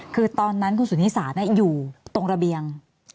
คือตอนนั้นคุณสุนิสาอยู่ตรงระเบียง